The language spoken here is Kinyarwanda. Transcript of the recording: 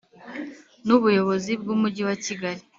n Ubuyobozi bw Umujyi wa Kigali